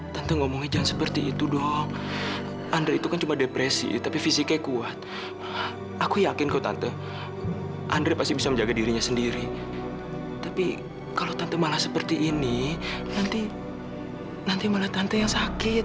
sampai jumpa di video selanjutnya